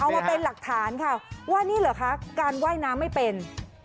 มาเป็นหลักฐานค่ะว่านี่เหรอคะการว่ายน้ำไม่เป็น